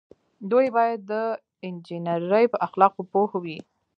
دوی باید د انجنیری په اخلاقو پوه وي.